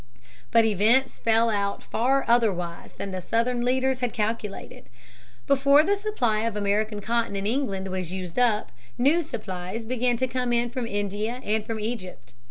But events fell out far otherwise than the Southern leaders had calculated. Before the supply of American cotton in England was used up, new supplies began to come in from India and from Egypt.